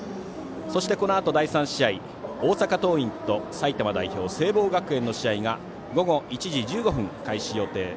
そして、このあと第３試合大阪桐蔭と埼玉代表、聖望学園の試合が午後１時１５分開始予定。